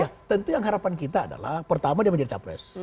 ya tentu yang harapan kita adalah pertama dia menjadi capres